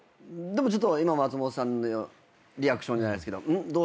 今松本さんのリアクションじゃないですけど「ん？どうした？